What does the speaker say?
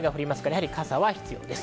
やはり傘が必要です。